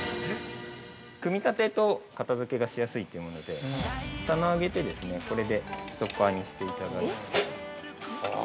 ◆組み立てと片づけがしやすいというもので棚を上げて、これでストッパーにしていただいて。